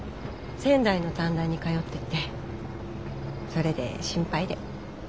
仙台の短大に通っててそれで心配で。